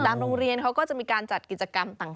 โรงเรียนเขาก็จะมีการจัดกิจกรรมต่าง